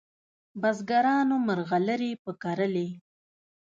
بزګرانو مرغلري په کرلې